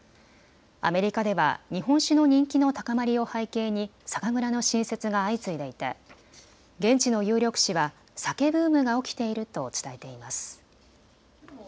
アメリカでは日本酒の人気の高まりを背景に酒蔵の新設が相次いでいて現地の有力紙はＳＡＫＥブームが起きていると伝えています。